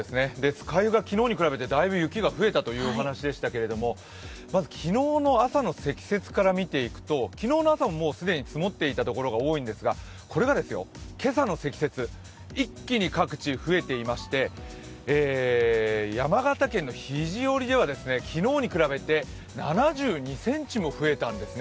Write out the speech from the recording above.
酸ヶ湯が昨日に比べてだいぶ雪が増えたという話でしたけれどもまず昨日の朝の積雪から見ていくと昨日の朝ももう既に積もっていた所が多いんですがこれが今朝の積雪、一気に各地増えていまして、山形県の肘折では昨日に比べて７２ｃｍも増えたんですね。